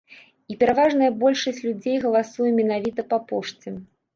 І пераважная большасць людзей галасуе менавіта па пошце.